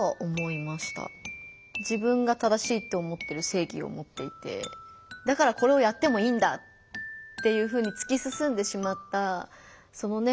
自分が正しいって思ってる正義を持っていてだからこれをやってもいいんだっていうふうにつきすすんでしまったそのね